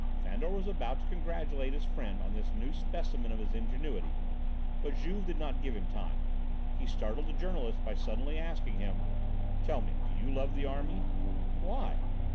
Fandor was about to congratulate his friend on this new specimen of his ingenuity, but Juve did not give him time. He startled the journalist by suddenly asking him: "Tell me, do you love the army?" "Why?"